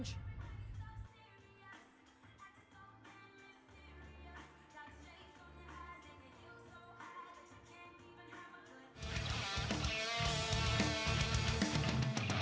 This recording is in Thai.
จริง